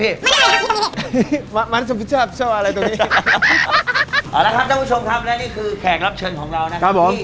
เอาละครับเจ้าผู้ชมครับและนี่คือแขกรับเชิญของเรานะครับ